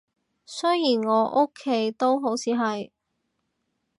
雖然我屋企都好似係